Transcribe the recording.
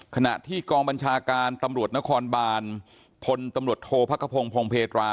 ขณะที่กองบัญชาการตำรวจนครบานพลตำรวจโทษพระกระพงพงเพตรา